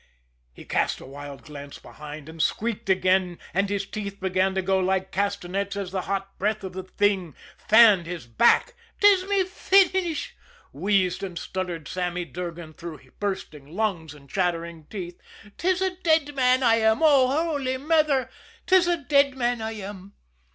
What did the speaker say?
He cast a wild glance behind, and squeaked again, and his teeth began to go like castanets, as the hot breath of the thing fanned his back. "'Tis my finish," wheezed and stuttered Sammy Durgan through bursting lungs and chattering teeth. "'Tis a dead man, I am oh, Holy Mither 'tis a dead man I am!"